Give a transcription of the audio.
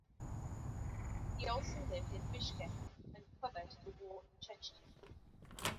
He also lived in Bishkek and covered the war in Chechnya.